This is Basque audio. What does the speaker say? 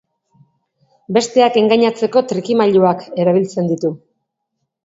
Besteak engainatzeko trikimailuak erabiltzen ditu.